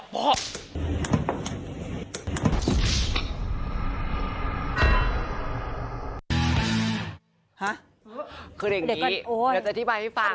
คืออย่างนี้เดี๋ยวจะอธิบายให้ฟัง